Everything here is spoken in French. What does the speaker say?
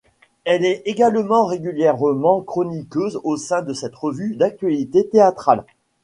Elle est également régulièrement chroniqueuse au sein de cette revue d'actualité théâtrale.